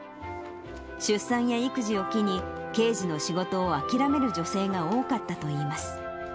出産や育児を機に、刑事の仕事を諦める女性が多かったといいます。